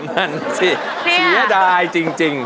นั่นสิเสียดายจริง